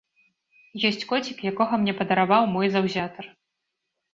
Ёсць коцік, якога мне падараваў мой заўзятар.